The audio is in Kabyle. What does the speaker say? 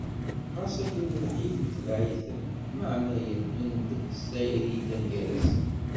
Ɣas akken lḥif, yetbeε-iten, meɛna γelben-t s tayri i yellan gar-asen.